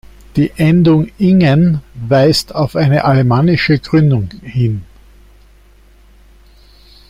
Die Endung „-ingen“ weist auf eine alemannische Gründung hin.